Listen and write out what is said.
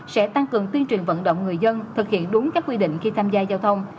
sẽ tăng cường tuyên truyền vận động người dân thực hiện đúng các quy định khi tham gia giao thông